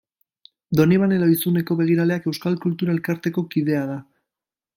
Donibane Lohizuneko Begiraleak Euskal Kultura elkarteko kidea da.